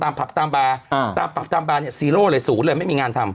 ตามผักตามบาร์ตามผักตามบาร์เนี่ย๐เลย๐เลยไม่มีงานทำ